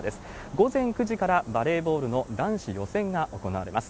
午前９時から、バレーボールの男子予選が行われます。